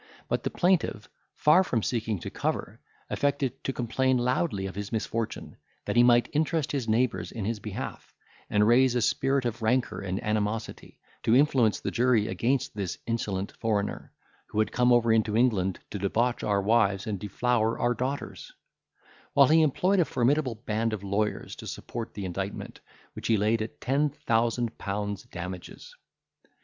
But the plaintiff, far from seeking to cover, affected to complain loudly of his misfortune, that he might interest his neighbours in his behalf, and raise a spirit of rancour and animosity, to influence the jury against this insolent foreigner, who had come over into England to debauch our wives and deflower our daughters; while he employed a formidable band of lawyers to support the indictment, which he laid at ten thousand pounds damages.